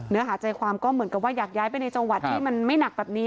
เนื้อหาใจความก็เหมือนกับว่าอยากย้ายไปในจังหวัดที่มันไม่หนักแบบนี้